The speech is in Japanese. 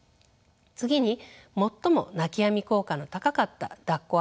次に最も泣きやみ効果の高かっただっこ